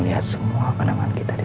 kita dah berari datang editing